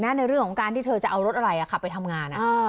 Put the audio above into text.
ในเรื่องของการที่เธอจะเอารถอะไรขับไปทำงาน